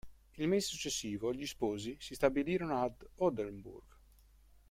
Il mese successivo gli sposi si stabilirono ad Oldenburg.